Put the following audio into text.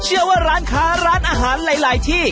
เชื่อว่าร้านค้าร้านอาหารหลายที่